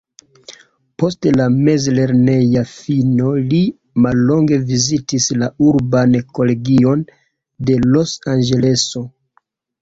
Post la mezlerneja fino li mallonge vizitis la urban kolegion de Los-Anĝeleso.